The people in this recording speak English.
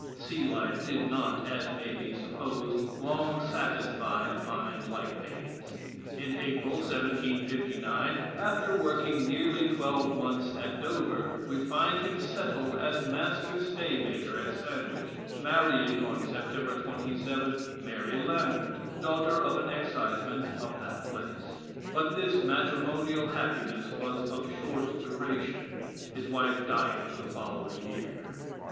Sea life did not, as may be supposed, long satisfy a mind like Paine's. In April, 1759, after working nearly twelve months at Dover, we find him settled as master stay maker at Sandwich; marrying, on September 27, Mary Lambert, daughter of an Exciseman of that place. But his matrimonial happiness was of short duration, his wife dying the following year.